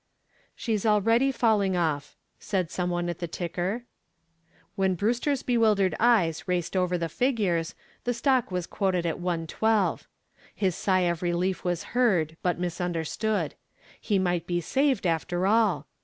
"She's already falling off," said some one at the ticker. When Brewster's bewildered eyes raced over the figures the stock was quoted at 112. His sigh of relief was heard but misunderstood. He might be saved after all.